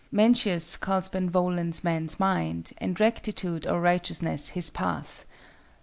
Mencius calls Benevolence man's mind, and Rectitude or Righteousness his path.